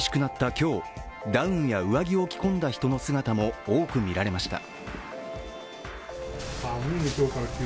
今日、ダウンや上着を着込んだ人の姿も多く見られました。